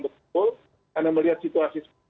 betul karena melihat situasi